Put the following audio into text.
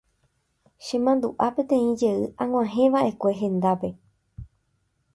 Chemandu'a peteĩ jey ag̃uahẽva'ekue hendápe.